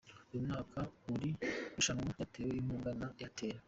Uyu mwaka iri rushanwa ryatewe inkunga na Airtel.